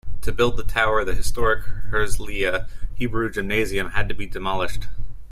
To build the tower, the historic Herzliya Hebrew Gymnasium had to be demolished.